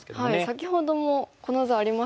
先ほどもこの図ありましたよね。